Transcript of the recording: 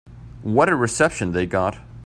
What a reception they got.